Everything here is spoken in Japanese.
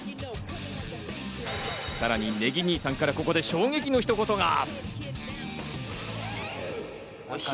さらにネギ兄さんからここで衝撃のひと言が！